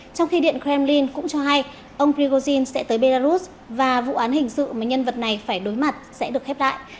trong khi điện kremlin cũng cho hay ông prigozhin sẽ tới belarus và vụ án hình sự mà nhân vật này phải đối mặt sẽ được khép lại